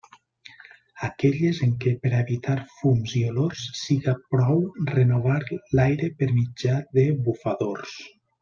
Aquelles en què per a evitar fums i olors siga prou renovar l'aire per mitjà de bufadors.